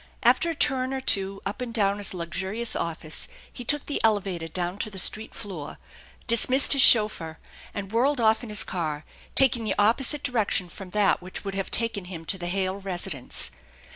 After a turn or two up and down his luxurious office he took the elevator down to the street floor, dismissed his chauffeur, and whirled off in his car, taking the opposite direction from that which would have taken him to the Hale residence.